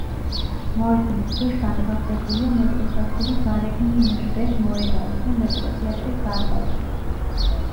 მოედნის ქვეშ განთავსებულია მეტროსადგური გარეგინ ნჟდეს მოედანი და „მეტრო თეატრის“ დარბაზი.